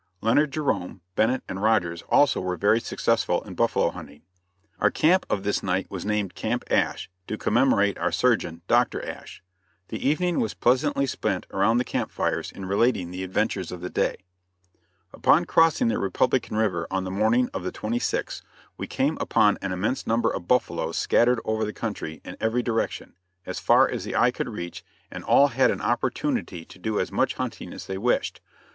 Leonard Jerome, Bennett and Rogers also were very successful in buffalo hunting. Our camp of this night was named Camp Asch to commemorate our surgeon, Dr. Asch. The evening was pleasantly spent around the camp fires in relating the adventures of the day. Upon crossing the Republican river on the morning of the 26th, we came upon an immense number of buffaloes scattered over the country in every direction, as far as the eye could reach and all had an opportunity to do as much hunting as they wished.